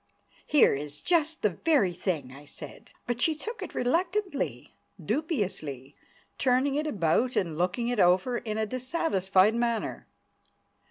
"Here is just the very thing," I said. But she took it reluctantly, dubiously, turning it about and looking it over in a dissatisfied manner.